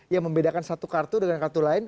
yang membedakan satu kartu dengan kartu lain